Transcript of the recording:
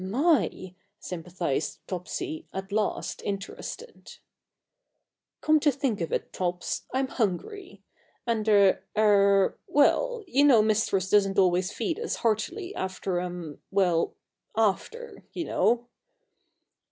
"My!" sympathized Topsy, at last interested. "Come to think of it, Tops, I'm hungry! And er er well, you know Mistress doesn't always feed us heartily after um well after, you know."